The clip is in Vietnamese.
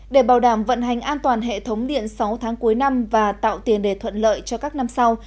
để bảo đảm vận hành an toàn hệ thống điện sáu tháng cuối năm và tạo tiền để thuận lợi cho các năm sau